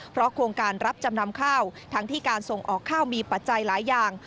เพราะโครงการรับจำนำข้าวทั้งที่การส่งออกข้าวมีปัจจัยหลายอย่าง